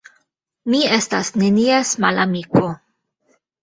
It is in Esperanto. Mi estas nenies malamiko.